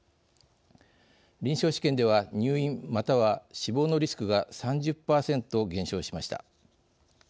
臨床試験では入院または死亡のリスクが３０％減少しました。